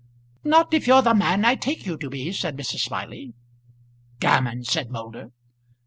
"Not if you're the man I take you to be," said Mrs. Smiley. "Gammon!" said Moulder.